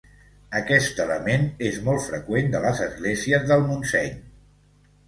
Aquest element és molt freqüent de les esglésies del Montseny.